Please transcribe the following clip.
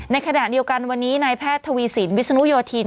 ในขณะเดียวกันวันนี้นายแพทย์ทวีสินวิศนุโยธิน